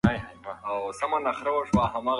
موږ د سهار په وخت کې غره ته ختلي وو.